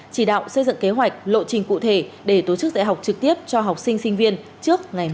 chỉ đạo xây dựng kế hoạch lộ trình cụ thể để tổ chức dạy học trực tiếp cho học sinh sinh viên trước ngày một mươi bốn tháng hai